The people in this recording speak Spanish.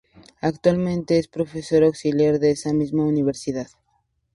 Actualmente es profesor auxiliar de esa misma universidad.